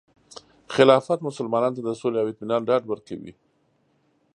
خلافت مسلمانانو ته د سولې او اطمینان ډاډ ورکوي.